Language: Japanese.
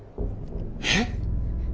えっ！？